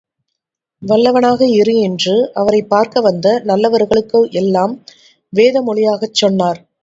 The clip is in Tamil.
வல்லவனாக இரு என்று அவரைப் பார்க்க வந்த நல்லவர்களுக்கு எல்லாம் வேத மொழியாகச் சொன்னார்!